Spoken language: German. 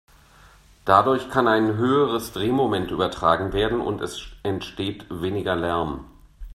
Dadurch kann ein höheres Drehmoment übertragen werden und es entsteht weniger Lärm.